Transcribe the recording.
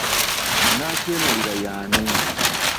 Nakyemalira y'ani?